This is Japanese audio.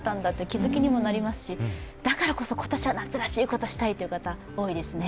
気づきにもなりますし、だからこそ今年は夏らしいことをしたいという方多いですよね。